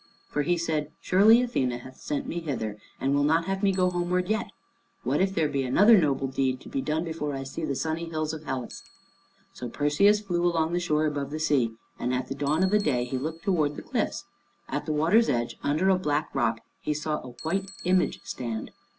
For he said, "Surely Athene hath sent me hither, and will not have me go homeward yet. What if there be another noble deed to be done before I see the sunny hills of Hellas?" So Perseus flew along the shore above the sea, and at the dawn of a day he looked towards the cliffs. At the water's edge, under a black rock, he saw a white image stand.